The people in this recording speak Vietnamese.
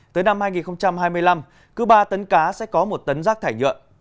tới năm hai nghìn hai mươi năm cứ ba tấn cá sẽ có một tấn rác thải nhựa